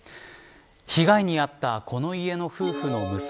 被害に遭ったこの家の夫婦の娘